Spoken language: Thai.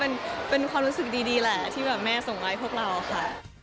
ก็เป็นความรู้สึกดีแหละที่แม่สงอายพวกเราค่ะ